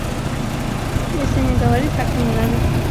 Если не говорит, так и не надо.